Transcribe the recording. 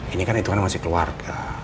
ini kan itu kan masih keluarga